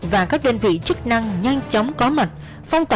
và các đơn vị chức năng nhanh chóng có mặt